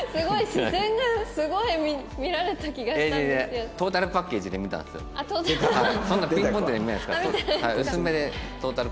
薄目でトータルパッケージで見たんで。